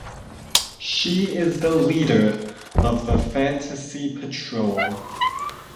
She is the leader of the Fantasy Patrol.